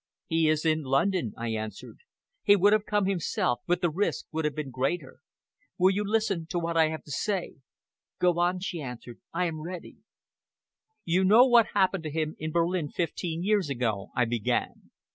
"He is in London," I answered. "He would have come himself, but the risk would have been greater. Will you listen to what I have to say?" "Go on," she answered. "I am ready." "You know what happened to him in Berlin fifteen years ago," I began.